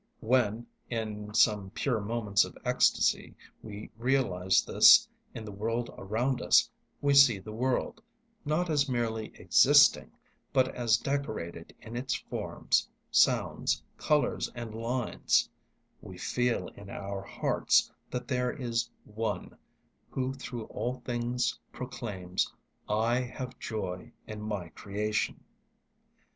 When in some pure moments of ecstasy we realise this in the world around us, we see the world, not as merely existing, but as decorated in its forms, sounds, colours and lines; we feel in our hearts that there is One who through all things proclaims: "I have joy in my creation."